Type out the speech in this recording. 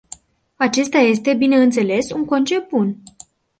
Acesta este, bineînțeles, un concept bun.